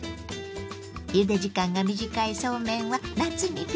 ゆで時間が短いそうめんは夏にピッタリ。